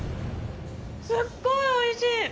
すっごい美味しい！